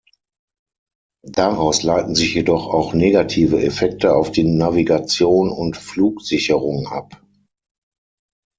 Daraus leiten sich jedoch auch negative Effekte auf die Navigation und Flugsicherung ab.